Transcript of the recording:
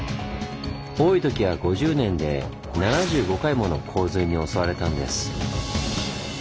多いときは５０年で７５回もの洪水に襲われたんです。